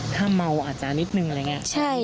ถ้าเมาอาจจะนิดนึงอะไรอย่างนี้